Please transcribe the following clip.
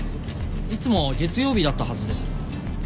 いつも月曜日だったはずです。